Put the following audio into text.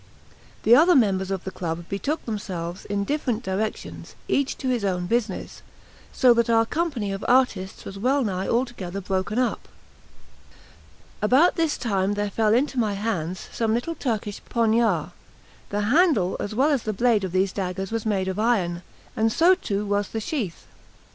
The other members of the club betook themselves in different directions, each to his own business; so that our company of artists was well nigh altogether broken up. About this time there fell into my hands some little Turkish poniards; the handle as well as the blade of these daggers was made of iron, and so too was the sheath.